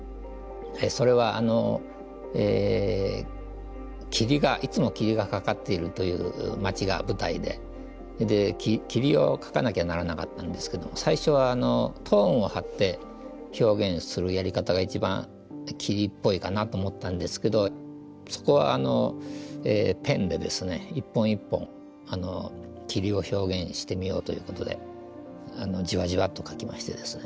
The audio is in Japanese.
それは霧がいつも霧がかかっているという町が舞台でで霧を描かなきゃならなかったんですけど最初はトーンを貼って表現するやり方が一番霧っぽいかなと思ったんですけどそこはペンでですね一本一本霧を表現してみようということでじわじわっと描きましてですね